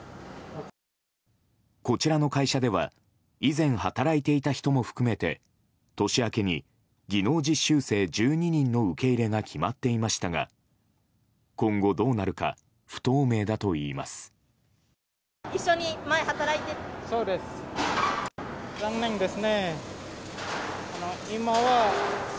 こちらの会社では以前働いていた人も含めて年明けに技能実習生１２人の受け入れが決まっていましたが今後どうなるか不透明だといいます。